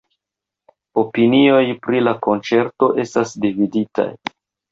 Opinioj pri la konĉerto estas dividitaj.